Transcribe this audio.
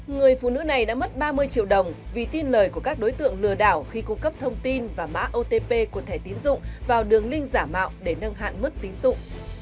người phụ nữ này đã mất ba mươi triệu đồng vì tin lời của các đối tượng lừa đảo khi cung cấp thông tin và mã otp của thẻ tiến dụng vào đường link giả mạo để nâng hạn mức tín dụng